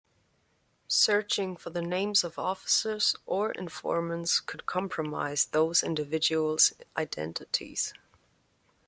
Searching for the names of officers or informants could compromise those individual's identities.